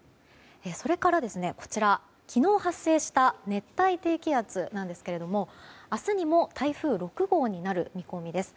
それから昨日発生した熱帯低気圧なんですけれども明日にも台風６号になる見込みです。